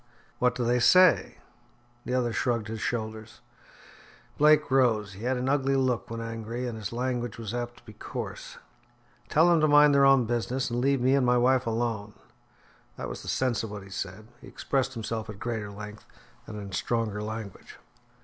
"What do they say?" The other shrugged his shoulders. Blake rose. He had an ugly look when angry, and his language was apt to be coarse. "Tell them to mind their own business, and leave me and my wife alone." That was the sense of what he said; he expressed himself at greater length, and in stronger language.